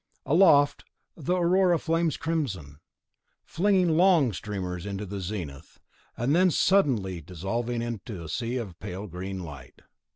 Aloft, the Aurora flames crimson, flinging long streamers to the zenith, and then suddenly dissolving into a sea of pale green light.